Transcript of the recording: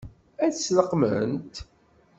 Ad t-leqqment?